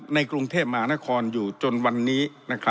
ในกรุงเทพมหานครอยู่จนวันนี้